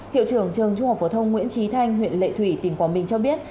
hiệu trưởng trường trung học phổ thông nguyễn trí thanh huyện lệ thủy tỉnh quảng bình cho biết